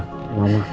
jangan nangis ya